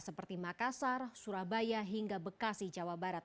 seperti makassar surabaya hingga bekasi jawa barat